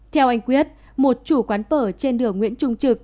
theo anh quyết một chủ quán phở trên đường nguyễn trung trực